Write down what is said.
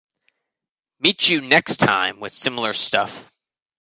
Meet you next time with similiar stuff.